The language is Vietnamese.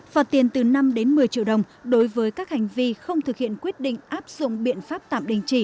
phạt tiền từ năm đến một mươi triệu đồng đối với các hành vi không thực hiện quyết định áp dụng biện pháp tạm đình chỉ